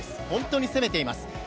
本当に攻めています。